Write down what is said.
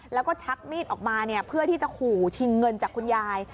แล้วก็ชักมีดออกมาเพื่อที่จะขู่ชิงเงินจากคุณยาย